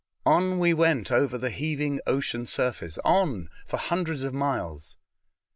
On we went over the heaving ocean surface, on for hundreds of miles.